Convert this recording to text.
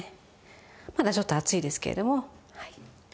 まだちょっと熱いですけれども。